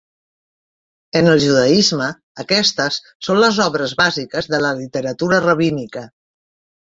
En el judaisme aquestes són les obres bàsiques de la literatura rabínica.